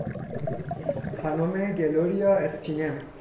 خانم گلوریا استینم